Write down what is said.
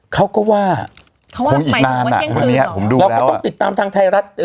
เขาก็ว่าคงอีกนานอ่ะแล้วก็ต้องติดตามทางไทยรัฐ